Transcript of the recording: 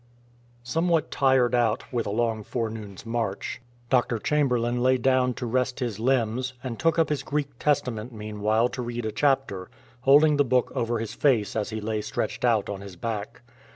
Somewhat tired out with a long forenoon'*s march. Dr. 39 FIGHT WITH A SERPENT Chamberlain lay down to rest his limbs, and took up his Greek Testament meanwhile to read a chapter, holding the book over his face as he lay stretched out on his back.